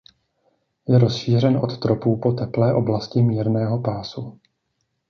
Je rozšířen od tropů po teplé oblasti mírného pásu.